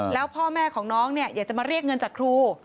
แล้วพ่อแม่ของน้องเนี่ยอยากจะมาเรียกเงินจากครู